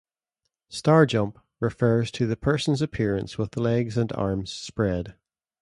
"Star jump" refers to the person's appearance with legs and arms spread.